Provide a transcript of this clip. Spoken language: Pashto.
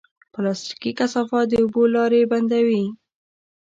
پلاستيکي کثافات د اوبو لارې بندوي.